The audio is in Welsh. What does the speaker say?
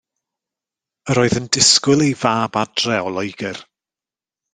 Yr oedd yn disgwyl ei fab adre o Loegr.